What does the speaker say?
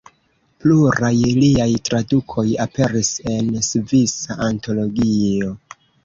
Pluraj liaj tradukoj aperis en Svisa antologio.